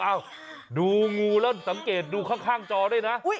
อ้าวดูงูแล้วสังเกตดูข้างจอได้นะ